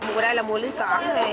mùa đây là mùa lưới cỏ